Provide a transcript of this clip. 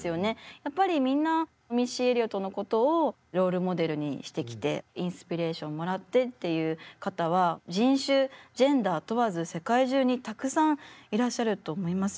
やっぱりみんなミッシー・エリオットのことをロールモデルにしてきてインスピレーションもらってっていう方は人種ジェンダー問わず世界中にたくさんいらっしゃると思います。